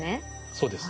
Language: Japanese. そうです。